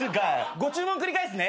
ご注文繰り返すね。